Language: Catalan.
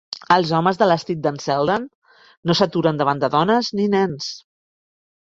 Els homes de l'estil d'en Selden no s'aturen davant de dones ni nens.